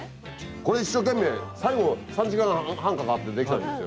これ一生懸命最後３時間半かかってできたんですよ。